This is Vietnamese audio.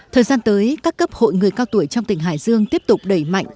thời gian tới các cấp hội người cao tuổi trong tỉnh hải dương tiếp tục đẩy mạnh